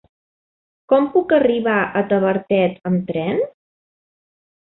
Com puc arribar a Tavertet amb tren?